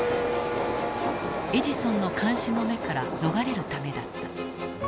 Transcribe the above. エジソンの監視の目から逃れるためだった。